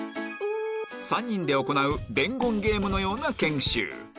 ３人で行う伝言ゲームのような研修